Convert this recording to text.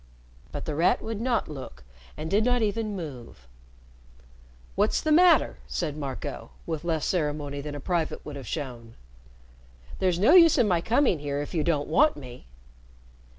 But The Rat would not look, and did not even move. "What's the matter?" said Marco, with less ceremony than a private would have shown. "There's no use in my coming here if you don't want me."